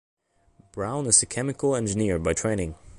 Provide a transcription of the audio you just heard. Brown is a chemical engineer by training.